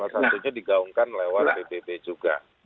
yang satunya digaungkan lewat pbb juga